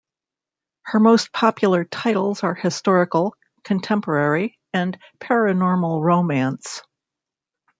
Her most popular titles are historical, contemporary, and paranormal romance.